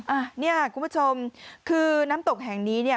อ่ะเนี่ยคุณผู้ชมคือน้ำตกแห่งนี้เนี่ย